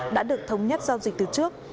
đã được thống nhất giao dịch từ trước